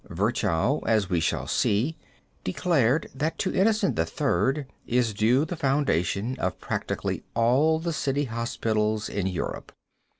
Virchow, as we shall see, declared that to Innocent III. is due the foundation of practically all the city hospitals in Europe.